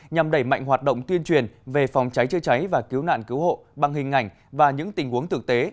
nhằm đẩy mạnh hoạt động tuyên truyền về phòng cháy chữa cháy và cứu nạn cứu hộ bằng hình ảnh và những tình huống thực tế